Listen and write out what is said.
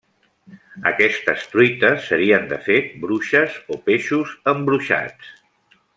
Aquestes truites serien de fet bruixes o peixos embruixats.